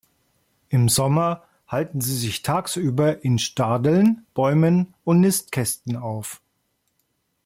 Im Sommer halten sie sich tagsüber in Stadeln, Bäumen und Nistkästen auf.